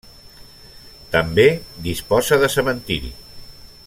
També disposa de cementeri.